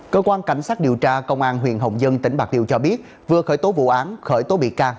cơ quan cảnh sát điều tra công an huyện hồng dân tỉnh bạc liêu cho biết vừa khởi tố vụ án khởi tố bị can